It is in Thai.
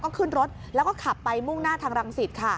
ก็ขึ้นรถแล้วก็ขับไปมุ่งหน้าทางรังสิตค่ะ